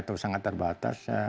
itu sangat terbatas